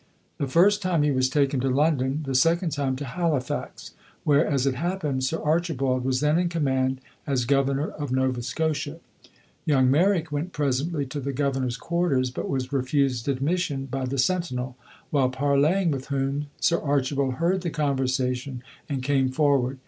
The first time he was taken to London; the second time to Halifax, where, as it happened, Sir Archibald was then in command as Governor of Nova Scotia. Young Merrick went presently to the governor's quarters, but was refused admission by the sentinel, while parleying with whom, Sir Archibald heard the conversation, and came forward.